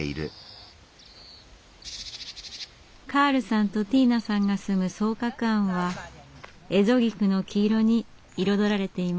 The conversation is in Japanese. カールさんとティーナさんが住む双鶴庵は蝦夷菊の黄色に彩られていました。